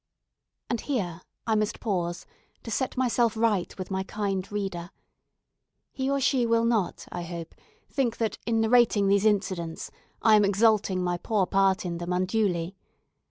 And here I must pause to set myself right with my kind reader. He or she will not, I hope, think that, in narrating these incidents, I am exalting my poor part in them unduly.